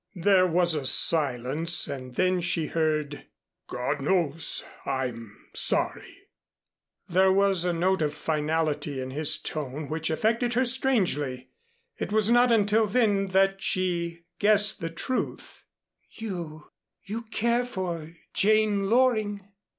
There was a silence and then she heard, "God knows, I'm sorry." There was a note of finality in his tone which affected her strangely. It was not until then that she guessed the truth. "You you care for Jane Loring?"